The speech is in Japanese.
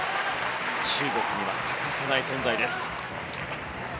中国には欠かせない存在です。